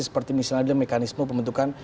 seperti misalnya ada mekanisme pembentukan